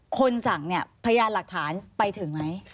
คนสั่งเนี่ยพยานหลักฐานไปถึงไหม